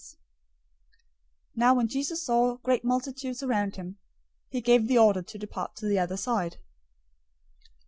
"{Isaiah 53:4} 008:018 Now when Jesus saw great multitudes around him, he gave the order to depart to the other side.